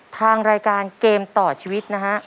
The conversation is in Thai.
ทางรายการเกมต่อชีวิตนะฮะ